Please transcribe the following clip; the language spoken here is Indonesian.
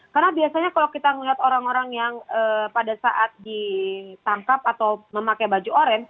karena biasanya kalau kita melihat orang orang yang pada saat ditangkap atau memakai baju orange